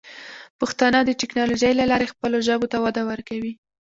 پښتانه د ټیکنالوجۍ له لارې خپلو ژبو ته وده ورکوي.